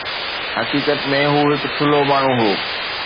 حقيقت ۾ هو هڪ ٿلهو ماڻهو هو.